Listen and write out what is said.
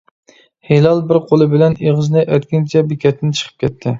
ھىلال بىر قولى بىلەن ئېغىزىنى ئەتكىنىچە بېكەتتىن چىقىپ كەتتى.